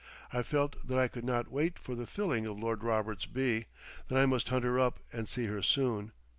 I felt that I could not wait for the filling of Lord Roberts β, that I must hunt her up and see her soon.